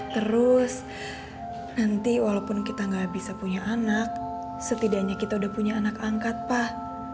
terus nanti walaupun kita gak bisa punya anak setidaknya kita udah punya anak angkat pak